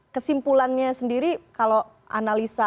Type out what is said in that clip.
kesimpulannya sendiri kalau analisa